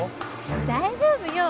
大丈夫よ。